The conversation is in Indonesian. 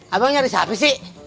abang nyari siapa sih